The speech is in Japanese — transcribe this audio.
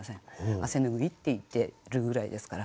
「汗拭ひ」って言ってるぐらいですから。